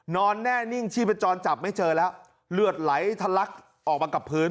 นอนแน่นิ่งชีพจรจับไม่เจอแล้วเลือดไหลทะลักออกมากับพื้น